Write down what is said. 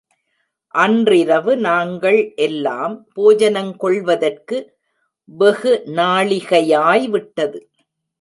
அன்றிரவு நாங்கள் எல்லாம் போஜனங் கொள்வதற்கு வெகு நாழிகையாய் விட்டது.